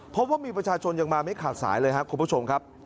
เพราะว่ามีประชาชนยังมาไม่ขาดสายเลยครับคุณผู้ชมครับ